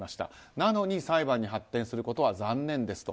なのに裁判に発展することが残念ですと。